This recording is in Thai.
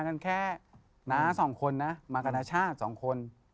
มาสองคนนะมากับนชาติสองคน